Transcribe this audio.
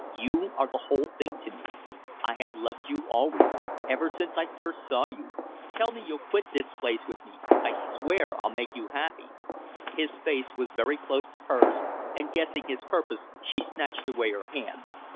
"You are the whole thing to me! I have loved you always ever since I first saw you! Tell me you'll quit this place with me I swear I'll make you happy " His face was very close to hers, and guessing his purpose she snatched away her hand.